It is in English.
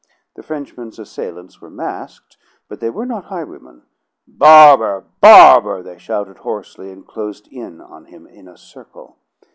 The Frenchman's assailants were masked, but they were not highwaymen. "Barber! Barber!" they shouted hoarsely, and closed in on him in a circle.